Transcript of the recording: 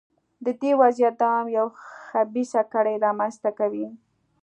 د دې وضعیت دوام یوه خبیثه کړۍ رامنځته کوي.